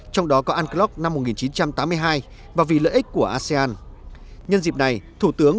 trong đó có unclock năm một nghìn chín trăm tám mươi hai và vì lợi ích của asean